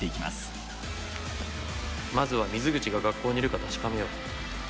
まずは水口が学校にいるか確かめよう。